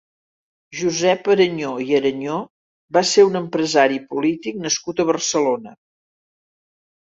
Josep Arañó i Arañó va ser un empresari i polític nascut a Barcelona.